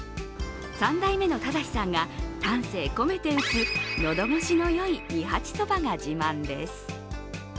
３代目の正さんが丹精込めて打つ喉越しのよい二八そばが自慢です。